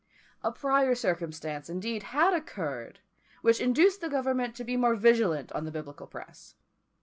A prior circumstance, indeed, had occurred, which induced the government to be more vigilant on the Biblical Press.